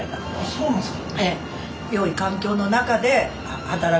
そうなんですか。